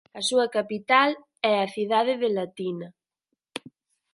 A súa capital é a cidade de Latina.